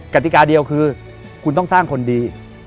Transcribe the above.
กติกาเดียวคือคุณต้องสร้างคนดี